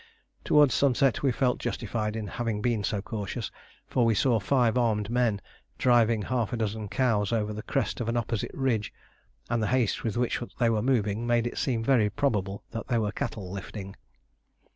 Towards sunset we felt justified in having been so cautious, for we saw five armed men driving half a dozen cows over the crest of an opposite ridge, and the haste with which they were moving made it seem very probable that they were cattle lifting.